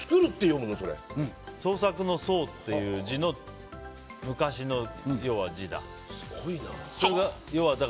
創作の「創」っていう字の昔の字だ。